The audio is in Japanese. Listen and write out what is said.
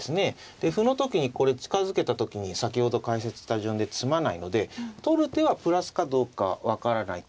で歩の時にこれ近づけた時に先ほど解説した順で詰まないので取る手はプラスかどうか分からないと。